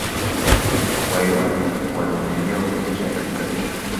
Wairwana wana maeneo kuelekea Kaskazini